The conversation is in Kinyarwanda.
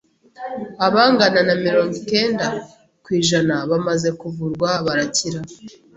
abangana na mirongo ikenda kwijana bamaze kuvurwa barakira